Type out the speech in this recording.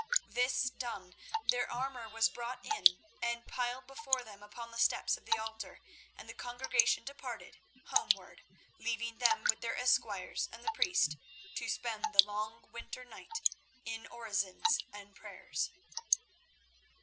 This done, their armour was brought in and piled before them upon the steps of the altar, and the congregation departed homeward, leaving them with their esquires and the priest to spend the long winter night in orisons and prayers.